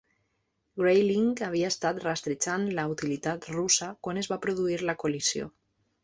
"Grayling" havia estat rastrejant la unitat russa quan es va produir la col·lisió.